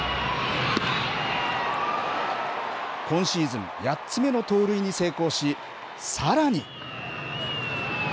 今シーズン８つ目の盗塁に成功しさらに。